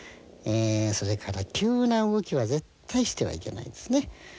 それから急な動きは絶対してはいけないですね。